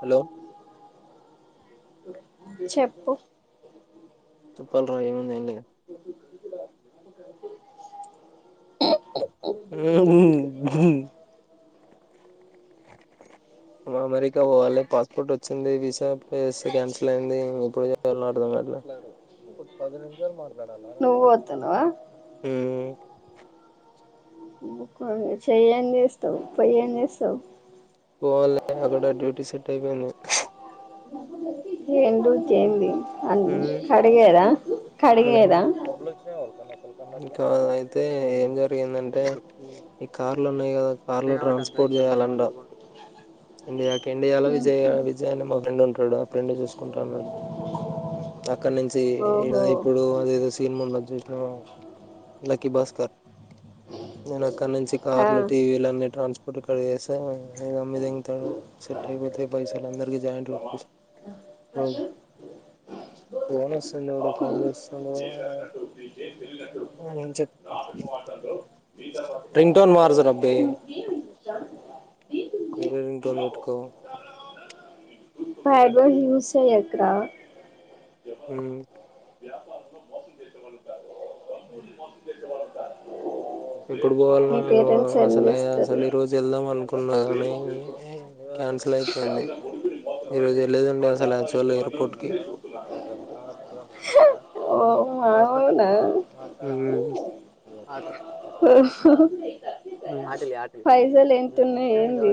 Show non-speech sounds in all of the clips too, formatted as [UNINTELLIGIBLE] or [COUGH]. Hello చెప్పు చెప్పాలి రా ఏముంది ఏంది గా ఏం ఊ ఊహూ అమెరికా పోవాలె పాస్పోర్ట్ వచ్చింది వీసా అప్లై చేస్తే క్యాన్సిల్ అయింది ఇప్పుడేం చేయాలో అర్థం కావట్లేదు పది నిమిషాలు మాట్లాడ నువ్వు పోతున్నావా హ్మ్ చెయ్ ఏం చేస్తావ్ పోయి ఏం చేస్తావ్ పోవాలి అక్కడ డ్యూటీ సెట్ అయిపోయింది మ్మ్ [UNINTELLIGIBLE] కాడిగారా ఉహుమ్ డబ్బులోంచినాయ ఎవ్వాలి కన్నా ఇంకా అయితే ఏమ్ జరిగిందంటే ఈ కార్లు ఉన్నాయ్ గదా కార్లు ట్రాన్స్పోర్ట్ చేయాలంట, ఇండియాకి ఇండియాలో విజయ విజయ్ అనే మా ఫ్రెండ్ ఉంటడు ఆ ఫ్రెండ్ చూస్కుంటానడు అక్కడ్ నుంచి ఓహో ఇప్పుడు అదేదో సినిమా ఉన్నాది. జూస్నవా లక్కీ భాస్కర్. నేను అక్కడ్ నుంచి ఆ కార్లు, టీవీల్ అన్ని టాన్స్పోర్ట్ ఇక్కడ్ చేస్త్ ఏ ఇగా అమ్మిదేంగ్తారు. వాడు సెటైపోతే పైసలందర్వి జాయింట్లుకు క్లోజ్ ఫోనోస్తుంది. ఏవాడో ఫోన్ చేస్తుండు అవును చెప్ రింగ్ టోన్ మార్జరా అబ్బి వేరే రింగ్ టోన్ పెట్టుకో ఫైబర్ యూస్ చేయ్క్ రా ఉమ్ ఎల్ ఎప్పుడు పోవాల్నో మీ ఏమో పేరెంట్స్ ఏం అసలే చేస్తారు అసలు ఈరోజు వెళ్దాం అనుకున్ ఉన్నా కానీ కాన్సిల్ అయిపోయింది. ఈరోజు వెళ్లేదుండే అసలు యాక్చువల్ ఎయిర్పోర్ట్ కి [UNINTELLIGIBLE] ఓ ఆహా అవునా ఆ పైసలు ఎంతున్నాయి ఏంది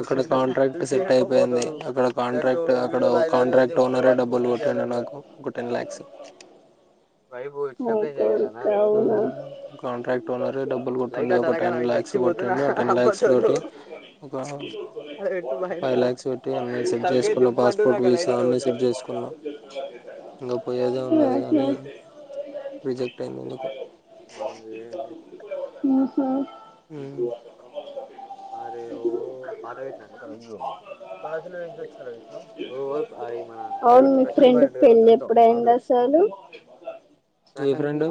అక్కడ కాంట్రాక్ట్ సెట్ అయిపోయింది. అక్కడ కాంట్రాక్ట్ అక్కడ కాంట్రాక్ట్ ఓనరే డబ్ కొన్ని కొట్టలే నాకు ఒక టెన్ లాక్స్ నీ కొడుకు అవునా హ్మ్ కాంట్రాక్ట్ డోనరే డబ్బులు కొట్టిండు. ఒక టెన్ లాక్స్ కొట్టిండు. ఆ టెన్ లాక్స్ తోటి ఒక ఫైవ్ లాక్స్ పెట్టి పాస్పోర్ట్, వీసా అవన్నీ సెట్ చేసుకున్నా ఇంగ పోయేదే ఉన్నది ఆహా గాని రిజెక్ట్ అయింది. ఎందుకో ఆహా హ్మ్ అరే ఓ పాట బెట్ నా ఓసారి విన్ జూడు పాసులు పెట్టలే ఇంకా అరే ఓ మీ ఫ్రెండ్ పెళ్ళి ఎప్పుడయింది. అసలు ఏ ఫ్రెండు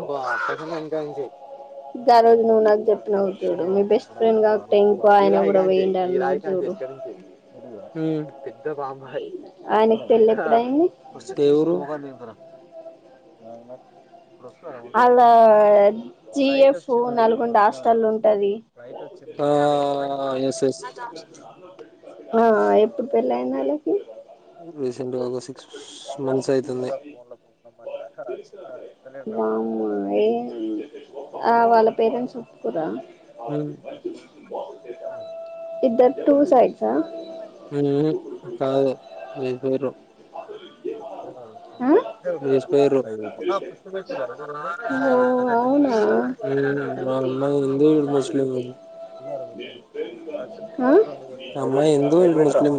గా రోజు నువ్వు నాకు జెప్పినవ్ చూడు మీ బెస్ట్ ఫ్రెండ్ కావట్టే ఈ రాయి కాంచె ఈ రాయి కాంచె ఇంక నుంచి హ్మ్ ఆయనకి పెళ్ళి ఎప్పుడయింది ఏ ఊరు అ హలో జిఎఫ్ నల్గొండ హాస్టల్లుంటది. ఆ యస్ యస్ ఆ ఎప్పుడు పెళ్లైంది. ఆళ్ళకి రీసెంట్ గా ఒక సిక్స్ స్ మంత్స్ అయితుంది. వామ్మా ఏయ్ ఆ వాళ్ళ పేరెంట్స్ ఒప్పుకురా ఉమ్ ఇద్దర్ టూ సైడ్ నేను పోను కాద్ లే లేష్ పోయిర్రో అ పేర్లు రాయండి ఆ ఫస్ట్ పేపర్ ఓ రాయాలా అవునా హ్మ్ వాళ్ళ హిందు ఈడు ముస్లింలు ఆ అమ్మాయి హిందూ ఈడు ముస్లిం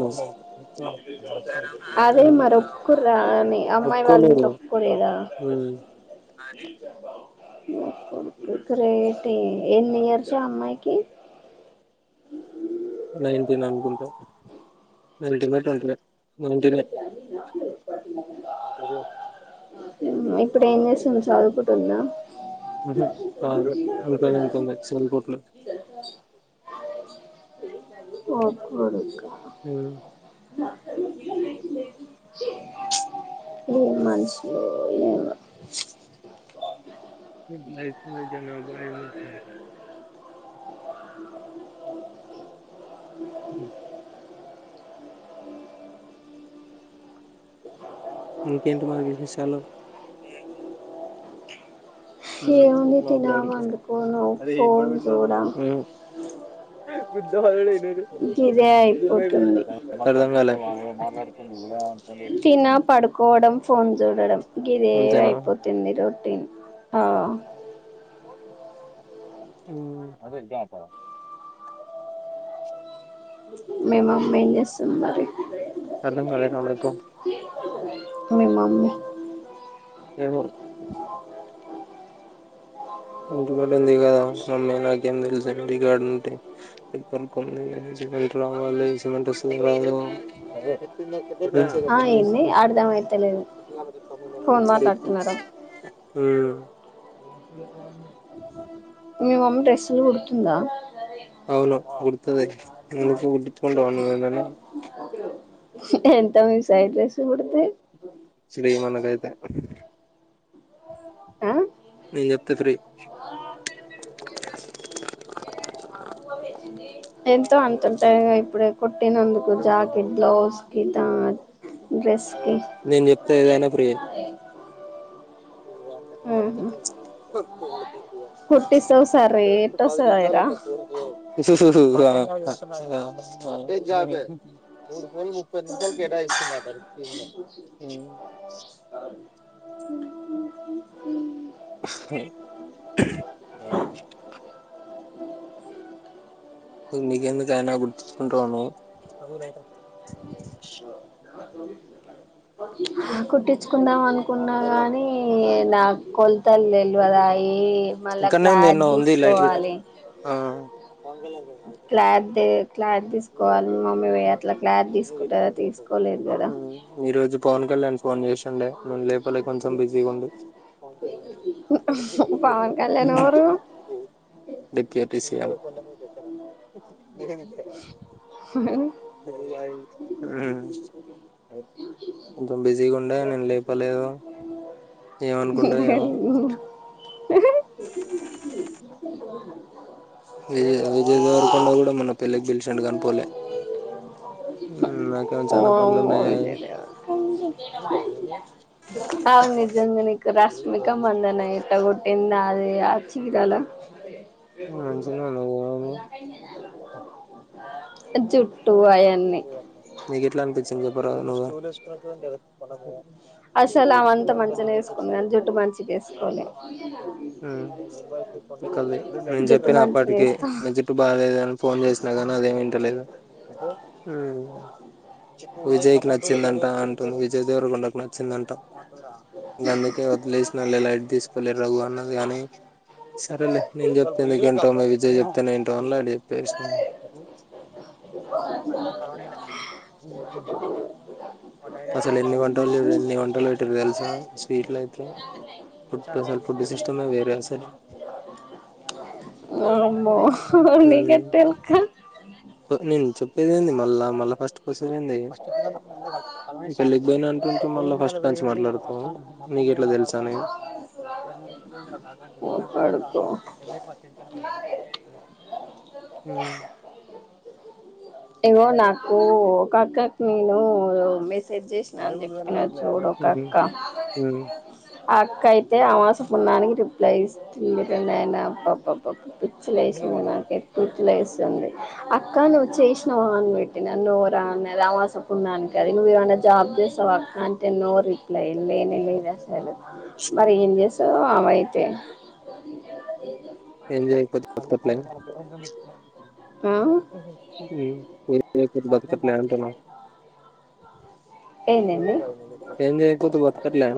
అదే మరి ఒప్పుకుర్రా అని అమ్మాయి వాళ్ళ ఒప్పుకోలేరు ఇంట్లో ఒప్పులేదా ఆదేయు ఇ గ్రేటే ఎన్ని ఇయర్సో అమ్మాయికి నైన్టీన్ అనుకుంటా నైన్టీనో ట్వెంటీ నో నైన్టీన్ నే ఉమ్ ఇప్పుడు ఏం చేస్తుంది చదువుకుంటుందా ఉహు కాదు వెళ్లిపోయినంక నిన్నచ్చింది కోట్లో. హు ఒక్ కొడుకు ఉమ్ ఏం మనుషులో ఏమో నైట్ పూట డెలివరీ బాయ్ గా చేస్తవా హు ఇంకేంటి మరి విశేషాలు ఏముంది ఉమ్ తినడం పండుకోను ఫోన్ చూడ గుద్ధ పగలు తిన్నాడు గిదే అయిపోతుంది అ అమడగానోల్లు ఏమో అన్నరు మాట్లాడుతుండగా తిన్న పడు కోడం ఫోన్ చూడడం గిదే అంతేనా అయిపోతుంది రొటీన్ ఆ హూ మీ మమ్మీ ఏం చేస్తుంది మరి అర్థం కాలేదు నాకు మీ మమ్ ఏమో ఒగ్గు గడ్డ ఉంది కదా మమ్మే నాక ఏం తెలుసు డ [UNINTELLIGIBLE] ర్డ ఉంటేంది సిమెంట్ రావాలి సిమెంట్ వస్తుంది రాదు ఆ ఏంది అర్థం అయితలేదు ఫోన్ స సర మాట్లాడుతున్నారా [INAUDIBLE] మీ మమ్మీ డ్రెస్సులు కుడుతుందా అవును కుడు తది ఎందుకు కుట్టించుకుట్టవా నువ్వు ఏదన్నా ఎంత మీ సైడ్ డ్రెస్ కుడితే ఫ్రీ మనకైతే ఆ నేను చెప్తే ఫ్రీ ఎంతో అంత ఉంటాయిగా ఇప్పుడే కుట్టినందుకు జాకెట్ బ్లౌజ్ కి తా డ్రెస్ కి నేను చెప్తే ఆహా హా [INAUDIBLE] కుట్టిస్తావు సరే ఎట్ట వస్తదాయరా మూడు ముప్పది నిమిషాలు కేటాయిస్తున్నాయి నా నీకెందుకైనా కుట్టించుకుంటావా నువ్వు కుట్టి నచ్చుకుందాం అనుకున్నా కానీ నా కొలతలు తెల్వదాయే మళ్ళా ఇక్కడనే ఉంది క్లాత్ ఎన్నో తీసుకోవాలి వంగలా గర్ క్లాతి క్లాతు తీసుకోవాలి మమ్మీ అట్లా క్లాతు తీసుకుంటారా తీసుకోలేదు కదా డే పవన్ కళ్యాణ్ ఎవరు డిప్యూటీ [INAUDIBLE] [UNINTELLIGIBLE] [UNINTELLIGIBLE] కొంచెం బిజీగా ఉండే నేను లేపాలేదు ఏమనుకుండో ఏమో హా హ విజయ్ దేవరకొండ కూడా మొన్న పెళ్ళికి పిలిచాండు కాని పోలే చానా పనులు వామో ఉన్నాయి విజయ్ దేవరకొండ అవును నిజంగానే రష్మిక మధన ఎట్టా గొటిది చీరాలా రేప్ ఒక్క రోజ్ మంచిగనే బయట ఉన్నది ఏమైంది జుట్టు అయా నీకు ఎట్లా అనిపించింది చెప్పర నువ్వే అసలు అవంతా మంచిగనే వేసుకుంది కానీ జుట్టు మంచిగా వేసుకోలే నేను జుట్టు చెప్పి మంచిగా అప్పటికి వేస్తా జుట్టు బాలేదు అని ఫోన్ చేసినా అదే వింట లేదు విజయ్ కి నచ్చిందంటా అంటున్ విజయ్ దేవరకొండకి నచ్చిందంటా. గందుకే వదిలేసినళ్లే లైట్ తీసుకోలే రఘు అన్నది కాని, సరేలే నేను చెప్తలే గంటోన్నా విజయ్. తేల్ ఇంటోలే ఎట్ చెప్పేశినవ్. అసలు ఎన్ని వంటలు ఎన్ని వంటలు పెట్టిర్ తెలుసా స్వీట్లు అయితే అసలు ఫుడ్ సిస్టమ్ వేరే అసలు వామ్మో హ్మ్. నీకెట్ట తెల్క నేన్ చెప్పే [UNINTELLIGIBLE] మళ్ళా మళ్ళా ఫస్ట్ కొస్తావేందే పెళ్ళికిపోయినా అంటుంటే మళ్ళా ఫస్ట్ నుంచి మాట్లాడుతావు మీకు ఎట్లా తెలుసా అని. ఓ కొడుకో హ్మ్ ఇగో నాకు ఒక అక్కకి నేను మెసే జ్ చేసిన అని చెప్పిన చూడు ఒక అక్క ఆ అక్ కైతే అమాస పున్నానికి రిప్లై ఇస్తుంది రా నాయనా అబ్బాబ్బాబ్బా. పిచ్చి లేసింది నాకు అయితే [UNINTELLIGIBLE] లేస్తంది. అక్క నువ్వు చేస్ నో అని పెట్టినా, నో రా నేను అమాసపున్నానికి అది నువ్వు ఏమన్నా జాబ్ చేస్తావా అక్క అంటే నో రిప్లై లేనే లేదా. మరి ఏం చేస్ ఆమె అయితే. రిప్లై ఆ [UNINTELLIGIBLE] హ్మ్. నీకు భక్తి ఎక్కువే అంటున్న. ఏందండి ఏం చేయకపోతే బ్రతుకట్లే.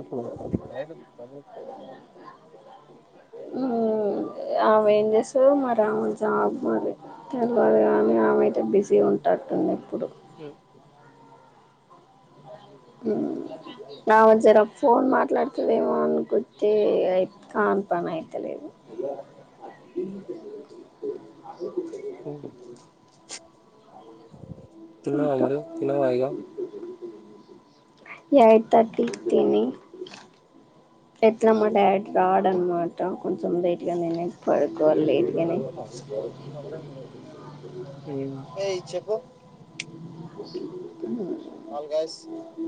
ఆమె ఏం చేస్తారు మరి ఆమె జాబ్ మరి తెల్వదు కానీ ఆమె అయితే బిజీ ఉంటాటుంది. ఎప్పుడు. ఆమె జర ఒక ఫోన్ మాట్లాడుతుదేమో అనుకుంటే కాని పని అయితలేదు. హ్మ్. తిన్నవా మరి తిన్నవా ఇగ. ఎయిట్ తర్టీ తిని అట్లా మా డాడీ రాడు అనమాట కొంచం లేట్ గానే తినేసి పడుకొలేదు గాని. చెప్పు హ్మ్. అల్ గ్యాస్. హు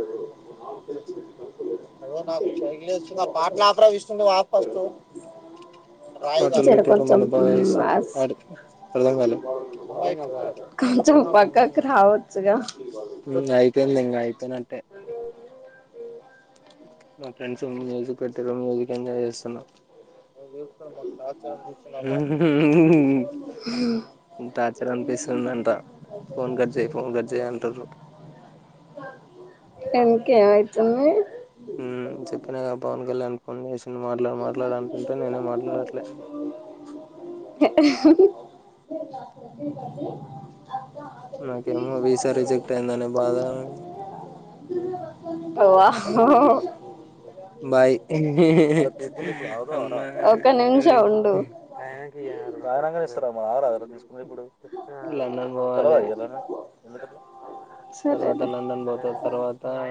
హు. అదిగో నాకు [UNINTELLIGIBLE] లేస్తుంది పాటలు ఆపరా విష్ణు నువ్వు ఆపు ఫస్ట్. హోటల్ జర పెట్టిరు కొంచెం మన బాయ్స్ ఆడు అర్థం కాలే మొబైల్ కొంచెం పక్కకు రావచ్చుగా ఇంగ అయిపోయింది. ఇంగ అయి పోయినట్టే. మా ఫ్రెండ్స్ మ్యూజిక్ పెట్టారు మ్యూజిక్ ఎంజాయ్ చేస్తున్నా టార్చర్ అనిపిస్తుంది అంటా ఫోన్ కట్ చెయ్ ఫోన్ కట్ చెయ్ అంటదంట [UNINTELLIGIBLE] హ్మ్ చెప్పినా గదా పవన్ కళ్యాణ్. ఫోన్ చేస్ హ హా. నాకేమో వీసా రిజెక్ట్ అయిందన్న బాధ ఓవా హ్ బాయ్ ఒక నిమిషం ఉండు గౌరంగ తీస్ కో కొంచెం ఆగ్ ర్ రా తీస్ లండన్ పోవాలే తర్వాత సరేలే లండన్ పోత తర్వాత